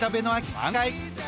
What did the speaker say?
はい。